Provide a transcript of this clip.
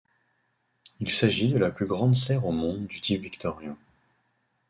Il s'agit de la plus grande serre au monde du type victorien.